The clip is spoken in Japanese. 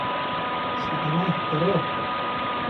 仕方ない、とろう